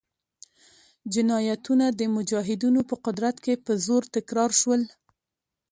جنایتونه د مجاهدینو په قدرت کې په زور تکرار شول.